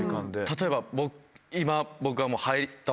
例えば今僕は。